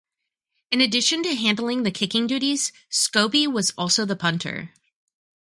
In addition to handling the kicking duties, Scobee was also the punter.